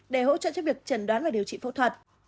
để hỗ trợ cho việc chẩn đoán và điều trị phẫu thuật